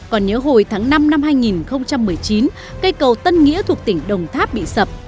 còn nhớ hồi tháng năm năm hai nghìn một mươi chín cây cầu tân nghĩa thuộc tỉnh đồng tháp bị sập